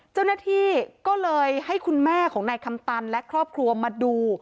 เจ้าหน้าที่ก็เลยให้คุณแม่ของนายคำตันและครอบครัวมาดู